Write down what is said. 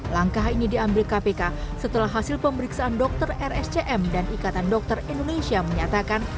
langkah ini diambil kpk setelah hasil pemeriksaan dokter rscm dan ikatan dokter indonesia menyatakan